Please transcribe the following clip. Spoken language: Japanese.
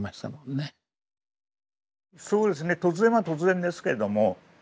そうですね突然は突然ですけれども。